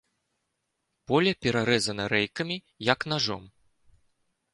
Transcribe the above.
Поле перарэзана рэйкамі, як нажом.